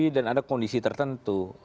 dan ada kondisi tertentu